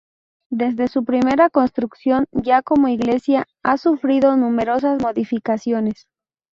Desde su primera construcción, ya como Iglesia, ha sufrido numerosas modificaciones.